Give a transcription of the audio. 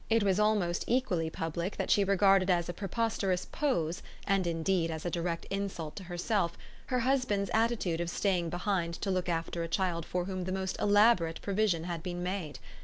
It was almost equally public that she regarded as a preposterous "pose," and indeed as a direct insult to herself, her husband's attitude of staying behind to look after a child for whom the most elaborate provision had been made.